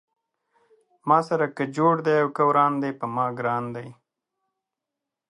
ما سره که جوړ دی او که وران دی پۀ ما ګران دی